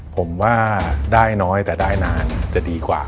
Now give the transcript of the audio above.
ผมว่าได้น้อยแต่ได้นานจะดีกว่า